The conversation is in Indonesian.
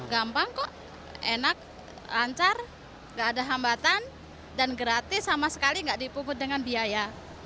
gampang kok enak lancar nggak ada hambatan dan gratis sama sekali nggak dipuput dengan biaya